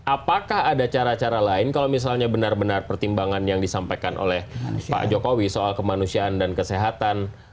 apakah ada cara cara lain kalau misalnya benar benar pertimbangan yang disampaikan oleh pak jokowi soal kemanusiaan dan kesehatan